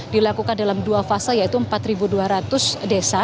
dilakukan dalam dua fase yaitu empat dua ratus desa